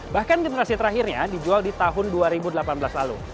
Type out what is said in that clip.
bahkan generasi terakhirnya dijual di tahun dua ribu delapan belas lalu